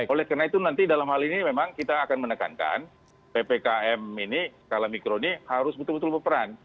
oleh karena itu nanti dalam hal ini memang kita akan menekankan ppkm ini skala mikro ini harus betul betul berperan